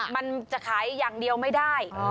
มันจะขายอย่างเดียวไม่ได้